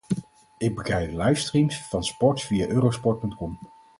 Ik bekijk livestreams van sport via Eurosport.com.